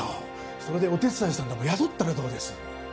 それでお手伝いさんでも雇ったらどうです？